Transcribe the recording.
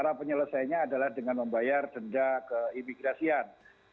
cara penyelesaiannya adalah dengan membayar denda keimigrasian